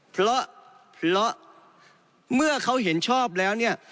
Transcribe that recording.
เพราะเมื่อเขาเห็นชอบแล้วเนี่ย